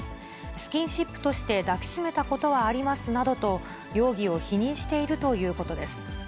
スキンシップとして抱き締めたことはありますなどと、容疑を否認しているということです。